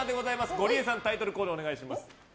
ゴリエさんタイトルコールをお願いします。